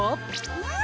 うん！